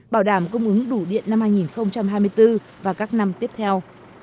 bảo đảm cung ứng đủ điện năm hai nghìn hai mươi bốn và các năm tiếp theo